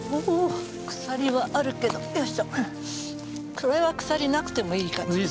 これは鎖なくてもいい感じですね。